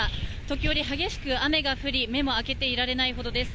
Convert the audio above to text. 時折激しく雨が降り目も開けていられないほどです。